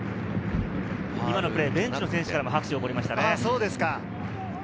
今のプレー、ベンチの選手からも拍手が起こりましたね。